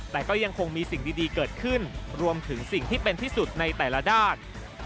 แต่ก็ยังคงมีสิ่งดีเกิดขึ้นรวมถึงสิ่งที่เป็นที่สุดในแต่ละด้าน